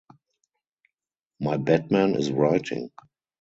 My Batman is writing.